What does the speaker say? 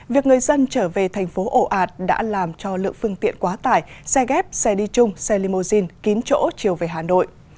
việc người dân trở về thành phố ổ ạt đã làm cho lượng phương tiện quá tải xe ghép xe đi chung xe limousine kín chỗ chiều về hà nội